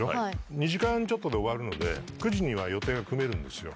２時間ちょっとで終わるので、９時には予定が組めるんですよ。